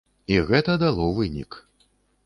І гэта дало вынік.